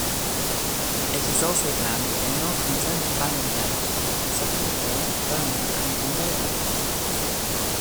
It is also found in north and central Bangladesh, southern Nepal, Burma and Cambodia.